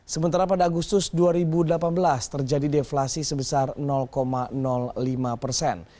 sementara pada agustus dua ribu delapan belas terjadi deflasi sebesar lima persen